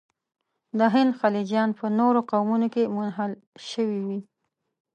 د هند خلجیان په نورو قومونو کې منحل شوي وي.